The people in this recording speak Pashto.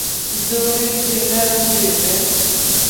زور يې پرې نه رسېږي.